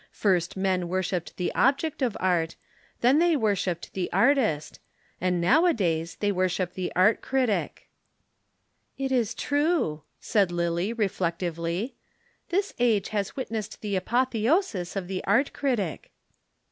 First men worshipped the object of art; then they worshipped the artist; and nowadays they worship the art critic." "It is true," said Lillie reflectively. "This age has witnessed the apotheosis of the art critic."